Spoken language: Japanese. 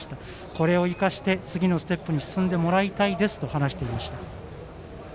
これを生かして、次のステップに進んでもらいたいですと話していました。